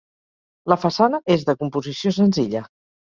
La façana és de composició senzilla.